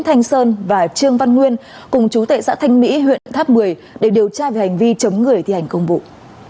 thanh sơn và trương văn nguyên cùng chú tệ xã thanh mỹ huyện tháp một mươi đều đều tìm hiểu về những vấn đề này